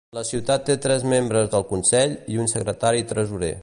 La ciutat té tres membres del consell i un secretari tresorer.